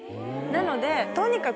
なので。